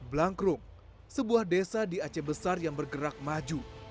blangkrung sebuah desa di aceh besar yang bergerak maju